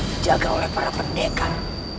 dijaga oleh para pendekar